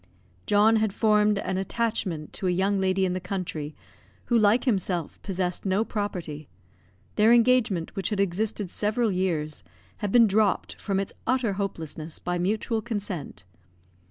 John had formed an attachment to a young lady in the country, who, like himself, possessed no property. Their engagement, which had existed several years, had been dropped, from its utter hopelessness, by mutual consent.